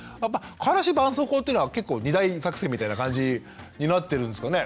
からしばんそうこうっていうのは結構二大作戦みたいな感じになってるんですかね？